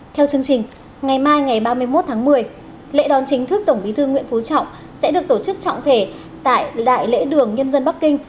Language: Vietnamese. theo chương trình ngày mai ngày ba mươi một tháng một mươi lễ đón chính thức tổng bí thư nguyễn phú trọng sẽ được tổ chức trọng thể tại đại lễ đường nhân dân bắc kinh